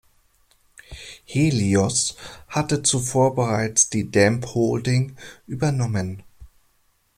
Helios hatte zuvor bereits die Damp Holding übernommen.